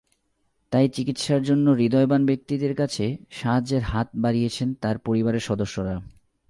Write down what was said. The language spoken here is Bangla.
তাই চিকিৎসার জন্য হূদয়বান ব্যক্তিদের কাছে সাহায্যের হাত বাড়িয়েছেন তাঁর পরিবারের সদস্যরা।